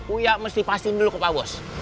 uya mesti pastiin dulu ke pak bos